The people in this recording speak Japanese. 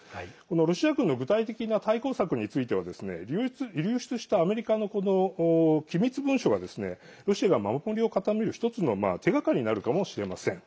ロシア軍の具体的な対抗策については流出したアメリカの機密文書がロシアが守りを固める１つの手がかりになるかもしれません。